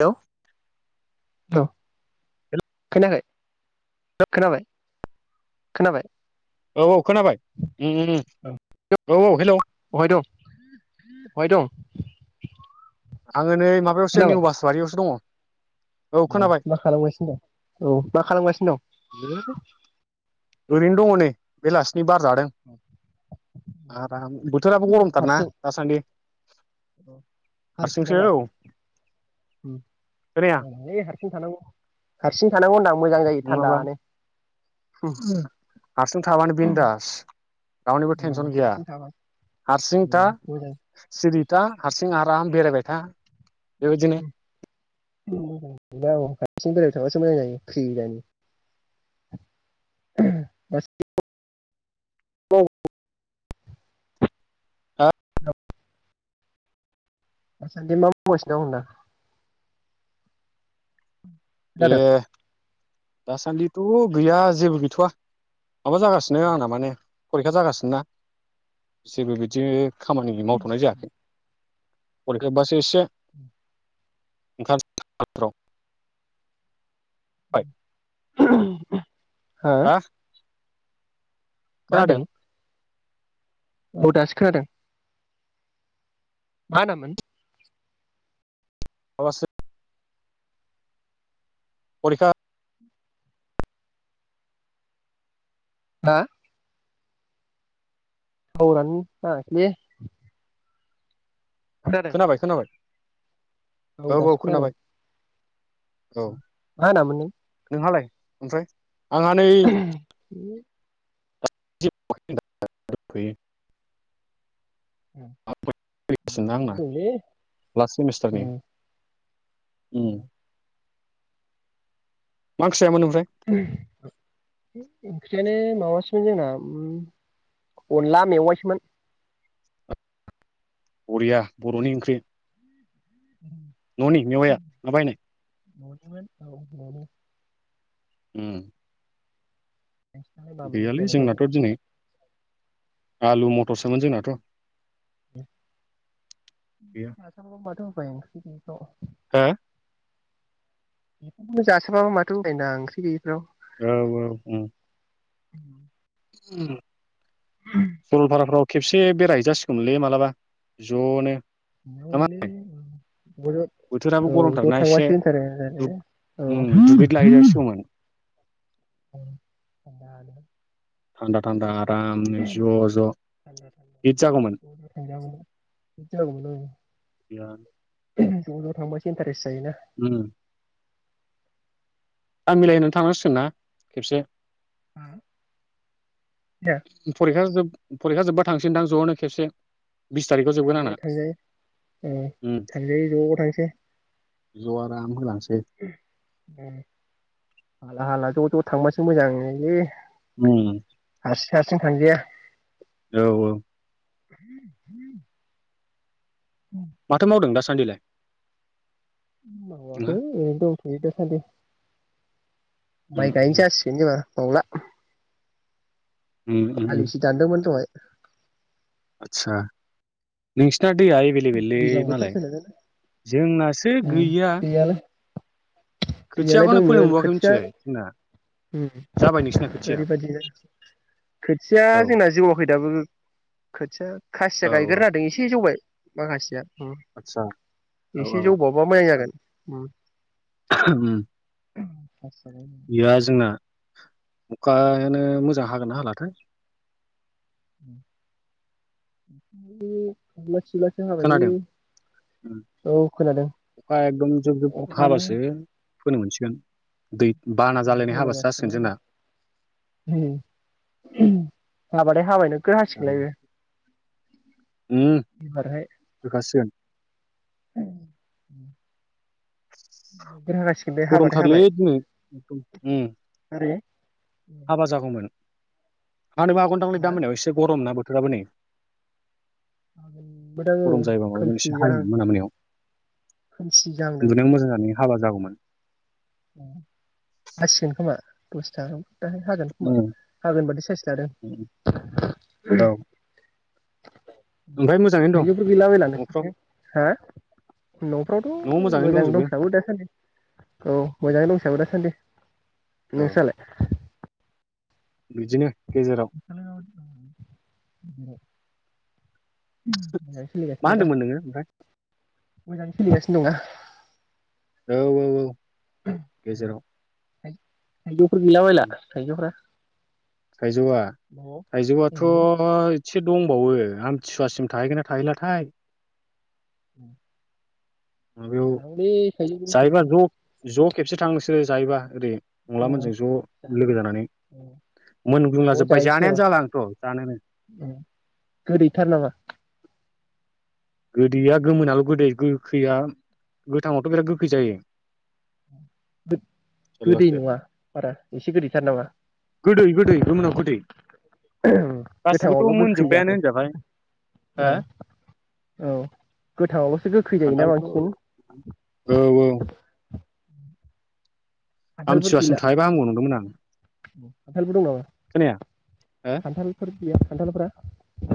Hello औ खोनायाखै खोनाबाय खोनाबाय? औ औ खोनाबाय उम उम उम औ औ हेलौ अहाय दं अहाय दं? आङो नै माबायावसो निउ बासबारियावसो दङ औ ए खोनाबाय मा खालामगासिनो दं औ मा खालामगासिनो दं ओरैनो दङ नै बेला सिनि बार जादों दं आराम बोथोराबो गरमथारना दासान्दि औ हारसिं हारसिंसो नामा औ उ खोनाया [unintelligible] हारसिं थानांगौ हारसिं थानांगौ होनदां मोजां जायो नङाबा थानदानो हारसिं थाबानो बिनदास रावनिबो टेनसन गैया हारसिं थाबा हारसिंथा मोजां सिरिथा हारसिं आराम बेरायबाय था बेबायदिनो [unintelligible] हा दासान्दि मा मावगासिनो दं होनदां ए खोनादों दासान्दिथ' गैया जेबो गैथ'वा माबा जागासिनो आंना माने फरिखा जागासिनोना जेबो बिदि खामानि मावथ'नाय जायाखै फरिखा जोबबासो एसे [unintelligible] [unintelligible] हो हा मा खोनादों होनदों औ दासो खोनादों मा होनामोन [unintelligible] फरिखा हा टावारानो नाङाखिले खोनाबाय खोनाबाय औ दासो खोनादों औ मा होनामोन नों नोंहालाय ओमफ्राय आङा नै [unintelligible] [unintelligible] फैगासिनो आंना [unintelligible] उम मा ओंख्रि जायामोन ओमफ्राय ओंख्रियानो माबासो जोंना अनला मेवाइसोमोन बरिया बर'नि ओंख्रि न'निमोन ननि मेवया ना बायनाय ननिमोन औ नंगौ उम नेाय बाबोन जानो द [unintelligible] जोंनाथ' दिनै आलु मथरसोमोन जोंनाथ ग माथ' [unintelligible] बायसखौ [unintelligible] हो बेखौनो जासाबाबा माथो उपाय ओंख्रि गैयिफ्राव औ औ उम उम उ [inaudible] सरलफारफोराव खेबसे बेराय हैजासिगौमोनलै मालाबा जनो नामा ओंलै ओं औ बोथोराबो ज ज गरमथारना एसे थांबासो होनथारो औ दुगैद लाहैजासिगौमोन जद [unintelligible] थान्दा थान्दा आरामनो ज' ज' थान्दा थान्दा हित जागौमोन ज' ज' थांजागौमोन बिदि जागौमोन औ ज' जं थांबासो इन्टारेसट जायो ना उम थायेम मिलायनानै थांनांसिगोन ना खेबसे उम फरिखा जोब फरिखा जोब्बा थांसैदां ज'नो खेबसे बिस थारिखआव जोबगोन थांजायो आंना थांजायो औ उम थांजायो ज' थांसै ज' आराम होलांसै [unintelligible] ज' थांबासो मोजांलै उम हारसिं हारसिं थांजाया औ औ [unintelligible] माथो मावदों दासान्दिलाय ओइ नोंहा ओरैनो दंथयो दासान्दि उम माय गायनो उम जासिगोन जोंहा बावला। उम उम आलिसि दान्दोमोन दहाय। आतसा नोंसिना दै आ बेले लेबेलै दैज्लां बोथोर मालाय फैनायखायनो जोंनासो उम, गैया। दैयालाय दैयालाय खोथियाखौनो फोनो दंमोन मोनबाव आखै खोथिया मोनथिबाय जोंना जाबाय नोंसिना खोथिया ओरैबायदिनो खोथिया औ जोंना जौआखै दाबो खोथिया औ खासिया औ गायग्रोनो नागेरदों एसे जौबाय। माखासेया उम आदसा औ औ एसे जौबावबा मोजां जागोन। उम। उम। गैया जोंना [unintelligible] अखायानो मोजां हागोनना हालाथाय। [inaudible] हाबायलै खोनादों औ खोनादों अखा एकदम जुब जुब अखायानो हाबासो फोनो मोनसिगोन। दै बाना जालायनाय हाबासो जासिगोन जौबायगासिनो जोंना। नै हाबाथाय हाबाय नो गोर हासिगोन लाय बे उम एबारहाय होखासिगोन। नोगोर हागासिगोन बे हाबाथाय गरमथारलै हाबाय दिनै ओरै हाबा जागौमोन हानोबो हागौदांलै हा दामोनायाव एसे गरम ना बो [unintelligible] हागोनबोदां गरम औ जायोबा माबा खोमसि एसे जाहां हायोमोन मोना मोनायाव खोमसि जाहांदों। उन्दुनायाव मोजां जानानै हाबा जागौमोन। हासिगोन खोमा दसे थानानै दाहाय हागोन खोमा उम हागोन बादि साइस लादों। उम औ ओमफ्राय मोजाङैनो दं थाइजौफोर गैला बायला न'फ्राव नोंसिनिथिं हा न'फ्रावथ' न'आव मोजाङैनो मोजां दंजोबो दंसाबो दासान्दि औ उम मोजाङै दंसाबो दासान्दि औ नोंस्रालाय बिदिनो गेजेराव [inaudible] मोजाङै मा सोलिगासिनोना दा होनदोंमोन नोङो ओमफ्राय मोजाङै सोलिगासिनो दङ ना औ औ औ औ गेजेराव [inaudible] थाइजौफोर गैला बायला उम थाइजौफ्रा थाइजौआ नो थाइजौआथ' एसे दंबावो आमथिसुवासिम थाहैगोन ना थाहैलाथाय उम बेयाव गोसोम जायोबा सोम ज' ज' खेबसे थां नोंसोरो जायोबा ओरै न'आव हंलामोनजों ज' लोगो जानानै मोनग्लुंला जोबबाय जाहैसै र' जानायानो जाला आंथ' जानोनो गोदैथार नामा गोदैया गोमोनाल' गोदै गोखैया गोथाङावथ' बिराद गोखै जायो गोदै जारलासो नङा बारा एसे गोदैथार नामा गोदै गोदै गोमोनाव गोदै गासिबोथ' गोथावल' गोखै मोनजोब्बायानो होनजाबाय हो जाखायो औ औ गोथाङावलसो गोखै जायोना खान्थालथ' बांसिन औ औ खान्थालफोर आमथिसुवासिम गैला थाहैबा हामगौ नंदोंमोन आं खान्थालफोर दं नामा खोनाया हो खान्थालफोर गैया खान्थालफ्रा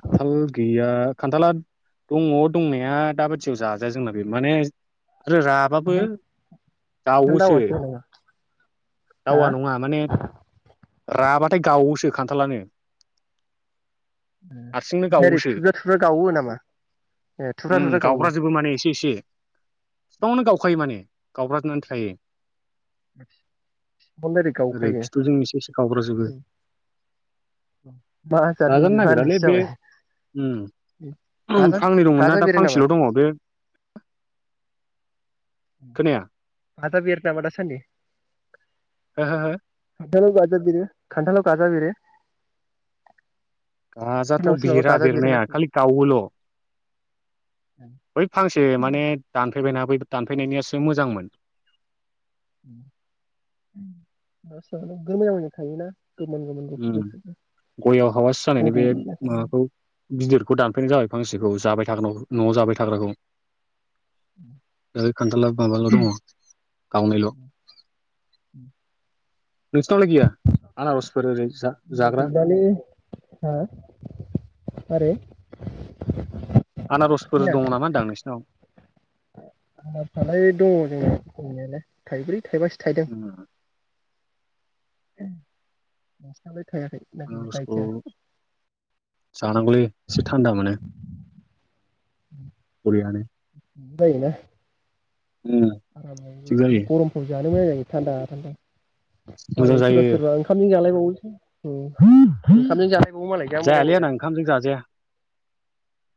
खान्थाल गैया खान्थाला दङ दंनाया दाबादियाव जाजाया जोंना बे माने आरो राबाबो खान्थाल जावोसो दावासो नामा हा दावा नङा माने राबाथाय गावोसो खान्थालानो उम हारसिंनो ओमफ्राय गावोसो थुुब्रा थुब्रा गावो नामा ए थुबजा थुबजा गावो बिफांआवनो गावखायो माने गावब्रा जोबनानै थायो [unintelligible] ओरै गावखायो खिथुजों एसे एसे गावब्राजोबो मा जादनि बिबा होन्नाय ए बे उम गाजा फांनै दंमोन ना गाजा दा बेरो नामा फांसेल' दङ बे खोनाया आदा बेरो नामा दा सानदि हो हो हो खान्थालाव गाजा बिरो खान्थालाव गाजा बेरो गाजाथ' सोरनावबा बिरा गाजा बेरोना बेरनाया खालि गावोल' बै फांसे माने दानफैबायना बै दानफैनायनियासो मोजांमोन [unintelligible] थायोना गोमोन गोमोन गुफुर उम गुफुर गय आव हावासि जानायनि गोदै बे माबाखौ गिदिरखौ दानफैनाय जाबाय फांसि खौ जाबाय थागोनाव न'आव जाबाय थाग्राखौ बे खान्थाला माबाल' दङ गावनायल' नोंसोनावलाय गैया आरजफोर ओरै जाग्रा गैलालै हा मारै आनारसफोर दङ नामा होनदां नोंसिनाव? आनारसालाय दङ जोंना दंनायालाय थाइब्रै थाइबास उम नोंसिनालाय थायाखै ना गैया आनारसखौ गायखाया जानांगौलै एसे थान्दा मोनो बरियानो । दायोना [unintelligible] [unintelligible] थिग जायो थान्दा थान्दा मोजां मालाय सोरबा जायो सोरबा ओंखामजों जालायबावो । उम ओंखामजों जालाय जायालै आंना ओंखामजों जाजाया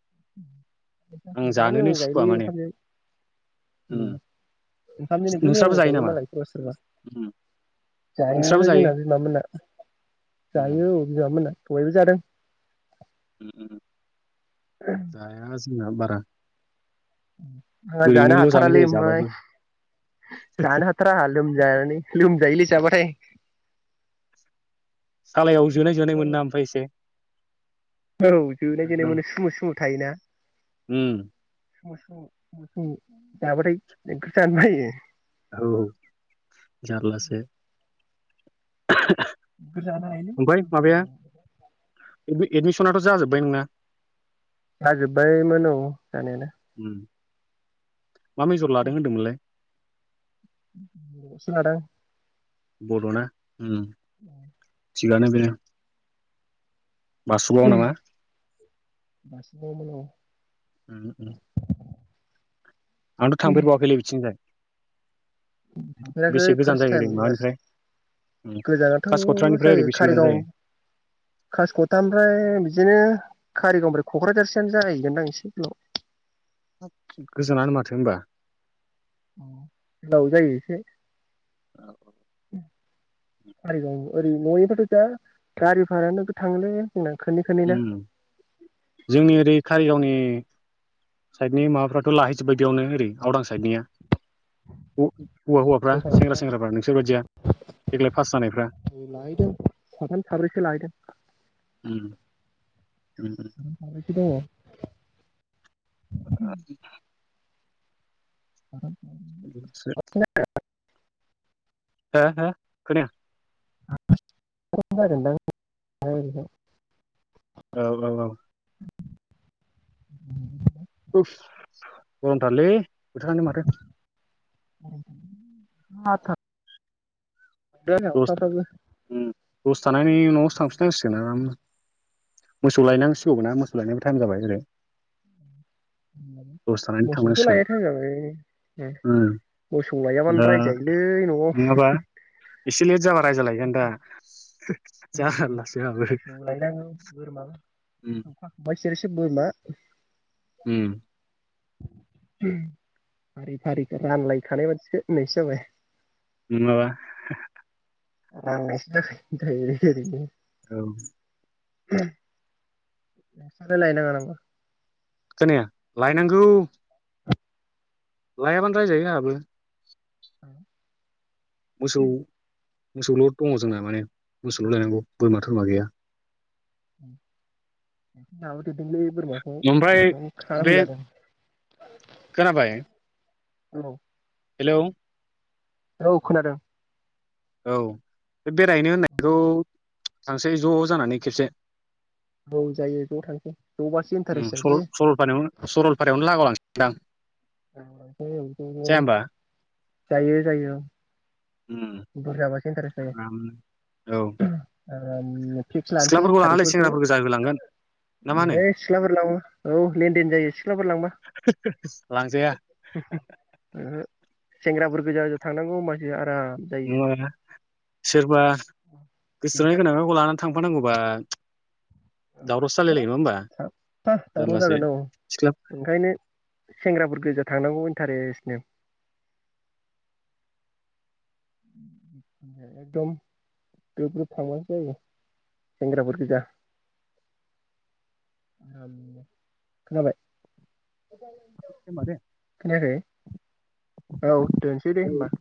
[inaudible] [unintelligible] आं जा जानोनो मोजां सुखुवा जायोलै माने ओंखामजों उम ओंखामजों मोजां नोंस्राबो मोजां जायो नामा मालाय सोरबा सोरबा जायो जोंना बिमामोना जायो औ बिमामोना दहायबो जादों उम उम जाया ना बारा आ जानो ओरैनोल' जानाय हाथारालै जायो ओमफ्राय जाबाबो जानो हाथारा आहा लोमजायानानै लोमजायोलै जाबाथाय सालायाव जोनाय जोनाय मोनो ना ओमफाय एसे औ जोनाय जोनाय एकदम मोनो सुमु सुमु थायोना । [unintelligible] औ जारलासो ओमफ्राय माबाया [unintelligible] एडमिसनाथ' जाजोब्बाय नोंना जाजोब्बायमोन औ जानायालाय उम मा मेजर लादों होन्दोंमोनलाय? [unintelligible] बड'ना उम औ थिगानो बेनो बासुगाव नामा बासुगावमोन औ आंथ' थांफेरबावाखैलै बिथिंजाय थांफेराखै बेसे गोजान फार्स्ट जायो ओरै टाइम एबार माबानिफ्राय उम गोजानाथ' कासिक'त्रानिफ्राय ओरै जायो बेसे गोजान कारिगाव जायो कासिकथानिफ्राय बिदिनो कारिगावनिफ्राय क'क्राझारसोआानो जाहैगोनदां एसे गोलाव गोजोनानो माथो होमबा गोलाव जायो एसे औ कारिगाव ओरै न'निफायथ' दा गारि भारायानो नोगोद थाङोलै जोंना खननै खननै ना जोंनि ओरै कारिगावनि साइडनि माबा बेखौ लाहैजोबबाय बेयावनो ओरै गावदां साइडनिया हौवा हौवाफ्रा सेंग्रा जोंहा सेंग्राफ्रा नोंसोर बदिया देग्लाय पास जानायफ्रा लाहैदों साथाम साब्रैसो लाहैदों उम [unintelligible] [unintelligible] ार [unintelligible] हो हो खोनाया [unintelligible] औ औ औ [inaudible] गरमथारलै बोथारानो माथो ाथ [unintelligible] दे ने अखााथो [unintelligible] बुथ [unintelligible] जानायनि नयावसो थांफिननांसिगोन आरामनो मोसौ लायनांसिगौ ना मो सौ लायनोबो टाइम जाबाय ओरै दसे थानानै मोसौथ थांनांसिगोन लायनो थायिम जाबाय उम मोसौ लायाबानो दा रायजायोलै नयाव इसे लेद जाबा रायजा लायगोन दा जारलासो आंहाबो मोसौ लायनांगौ बोरमा मोसौ खाखांबाय सेरसे बोरमा उम फारि फारिखौ रानलायखानाय बादिखौ होननायसो जाबाय नङाबा ननो [unintelligible] औ नोंसालाय लायनाङा नामा खोनाया लायनांगौ लायाबानो राय जायो आंयाबो औ मोसौ मोसौल दङ जोंना माने मोसौल लायनांगौ बोरमा थोरमा गैया लाबोदेरदोंलै बोरमाखौ ओमफ्राय बे खानांगौ जादों खोनाबाय औ हेलौ औ खोनादों औ बेरायनो होननायखौ थांसै ज जानानै खेबसे औ जायो ज थांसै जबासो उम इन्टारेस्ट सरल सरलपारायावनो जायोलै सरलपारायावनो [unintelligible] आ जाया [unintelligible] होमबा जायो जायो उम बुरजाबासो इन्टारेस्ट जायो आराम औ [unintelligible] फिक्स लानोसै सिख्लाफोरखौ लानानै थारिखफोरखौ सेंग्राफोरखौ जाहोलांगोन ना मा होनो सिख्लाफोर लाङो औ लेनदेन जायो सिख्लाफोर लांबा लांजाया सेंग्राफोर गोजासो थांनांगौ होमबासो आराम जायो नङा सोरबा गोसथोनाय गोनांखाखौ लानानै थांबा थांफानांगौबा औ दावरावसो हाब जालायलायो नङा होमबा साबफा दावराव जारलासो जागोन औ सिख्ला ओंखायनो सेंग्राफोर गोजा थांनांगौ इन्टारेस्टनो एकदम ग्रोब ग्रोब थांबासो जायो सेंग्राफोर गोजा खोनाबाय माथो खोनायाखै औ दोनसै दे होनबा